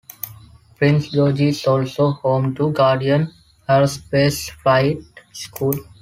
Prince George is also home to Guardian Aerospace Flight School.